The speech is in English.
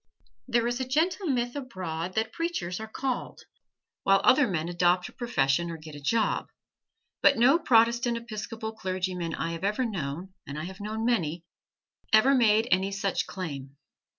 There is a gentle myth abroad that preachers are "called," while other men adopt a profession or get a job, but no Protestant Episcopal clergyman I have ever known, and I have known many, ever made any such claim.